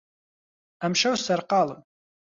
ئەمشەو سەرقاڵم.